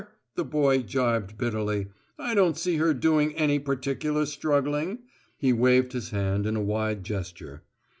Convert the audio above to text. the boy jibed bitterly. "I don't see her doing any particular struggling." He waved his hand in a wide gesture.